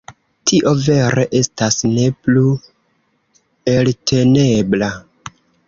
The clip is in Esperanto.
Tio vere estas ne plu eltenebla.